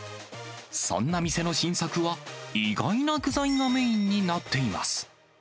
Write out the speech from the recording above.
そんな店の新作は、意外な具材がメインになっています。